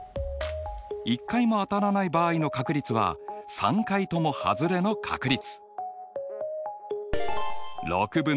１回も当たらない場合の確率は３回ともはずれの確率。